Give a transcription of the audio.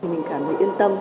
mình cảm thấy yên tâm